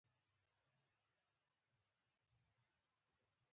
دا مرکب د یوریا د کیمیاوي سرې په تولید کې ونډه لري.